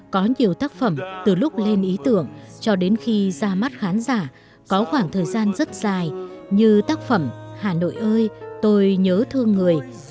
có nhiều tác phẩm từ lúc lên ý tưởng cho đến khi ra mắt khán giả có khoảng thời gian rất dài như tác phẩm hà nội ơi tôi nhớ thương người